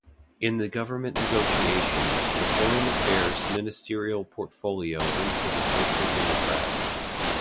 In the government negotiations the Foreign Affairs ministerial portfolio went to the Social Democrats.